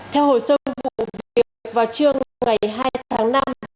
theo hồ sơ vụ việc vào trường ngày hai mươi ba tháng năm